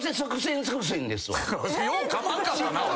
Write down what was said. ようかまんかったなおい。